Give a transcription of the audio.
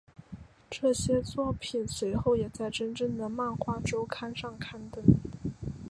这些作品随后也在真正的漫画周刊上刊登。